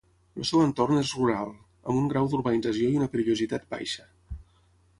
El seu entorn és rural, amb un grau d'urbanització i una perillositat baixa.